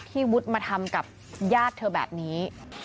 วุฒิมาทำกับญาติเธอแบบนี้